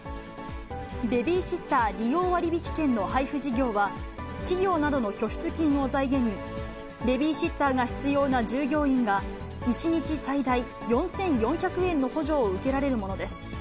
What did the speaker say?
ベビーシッター利用割引券の配布事業は、企業などの拠出金を財源に、ベビーシッターが必要な従業員が、１日最大４４００円の補助を受けられるものです。